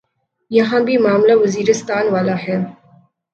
یہاں بھی معاملہ وزیرستان والا ہے۔